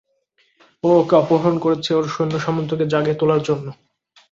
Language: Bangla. ও ওকে অপহরণ করেছে ওর সৈন্যসামন্তকে জাগিয়ে তোলার জন্য!